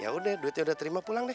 yaudah duitnya udah terima pulang deh